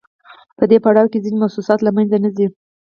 په دې پړاو کې ځینې موسسات له منځه نه ځي